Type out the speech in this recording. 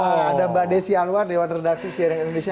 ada mbak desi alwar lewat redaksi siarang indonesia